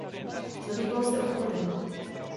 Zabýval se obchodem.